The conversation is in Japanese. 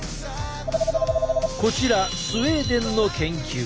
こちらスウェーデンの研究。